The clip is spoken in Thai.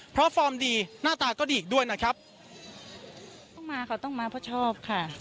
เพราะฟอร์มดีหน้าตาก็ดีอีกด้วยนะครับต้องมาค่ะต้องมาเพราะชอบค่ะ